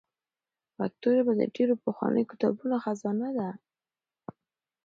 پښتو ژبه د ډېرو پخوانیو کتابونو خزانه ده.